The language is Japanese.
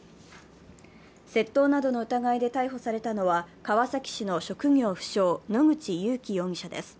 窃盗などの疑いで逮捕されたのは、川崎市の職業不詳・野口勇樹容疑者です。